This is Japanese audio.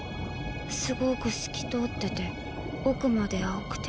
すごーく透き通ってて奥まで青くて。